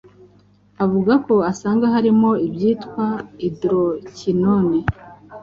Avuga ko usanga harimo ibyitwa Hydroquinone,